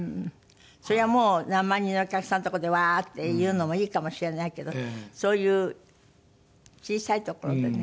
それはもう何万人のお客さんのとこでワーッていうのもいいかもしれないけどそういう小さい所でね。